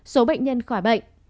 số bệnh nhân khỏi bệnh